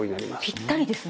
ぴったりですね。